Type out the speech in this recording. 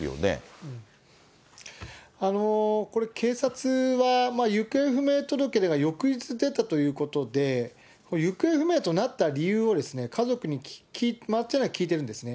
これ、警察は、行方不明届では翌日出たということで、行方不明となった理由を家族に間違いなく聞いてるんですね。